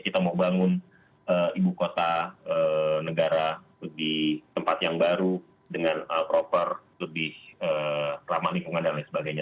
kita mau bangun ibu kota negara di tempat yang baru dengan proper lebih ramah lingkungan dan lain sebagainya